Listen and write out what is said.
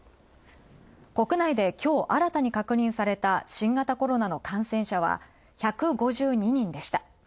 国内できょう、新たに確認された新型コロナの感染者は１５２人でした。